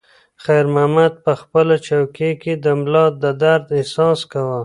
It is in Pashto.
خیر محمد په خپله چوکۍ کې د ملا د درد احساس کاوه.